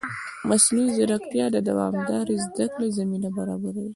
مصنوعي ځیرکتیا د دوامدارې زده کړې زمینه برابروي.